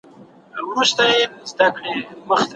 داخلي صنعت د سقوط په حال کي و.